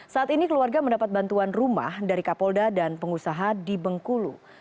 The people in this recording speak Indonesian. saat ini keluarga mendapat bantuan rumah dari kapolda dan pengusaha di bengkulu